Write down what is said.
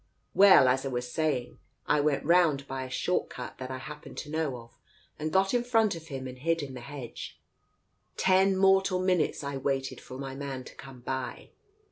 Well, as I was say ing, I went round by a short cut that I happened to know of, and got in front of him and hid in the hedge. Ten mortal minutes I waited for my man to come by.